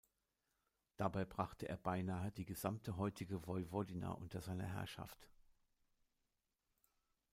Dabei brachte er beinahe die gesamte heutige Vojvodina unter seine Herrschaft.